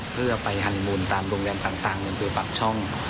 เพื่อไปฮัลลี่มูลตามโรงแรมต่างอย่างตัวปากช่อง